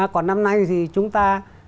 còn năm nay thì chúng ta